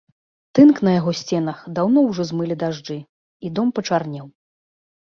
Тынк на яго сценах даўно ўжо змылі дажджы, і дом пачарнеў.